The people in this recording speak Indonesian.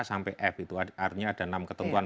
sampai f itu artinya ada enam ketentuan